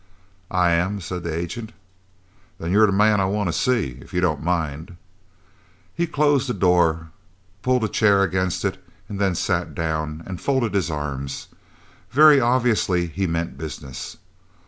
"I am," said the agent. "Then you're the man I want to see. If you don't mind " He closed the door, pulled a chair against it, and then sat down, and folded his arms. Very obviously he meant business.